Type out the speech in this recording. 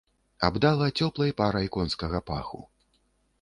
Абдала цёплай парай конскага паху.